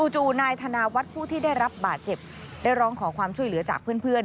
จู่นายธนาวัฒน์ผู้ที่ได้รับบาดเจ็บได้ร้องขอความช่วยเหลือจากเพื่อน